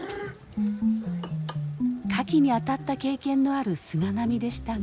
カキにあたった経験のある菅波でしたが。